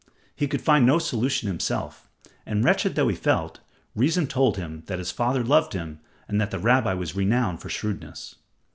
He could find no solution himself, and wretched though he felt, reason told him that his father loved him and that the rabbi was renowned for shrewdness.